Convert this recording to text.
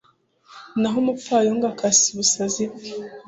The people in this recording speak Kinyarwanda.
naho umupfayongo akasasa ubusazi bwe